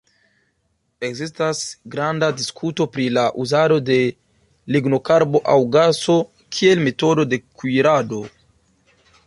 Ekzistas granda diskuto pri la uzado de lignokarbo aŭ gaso kiel metodo de kuirado.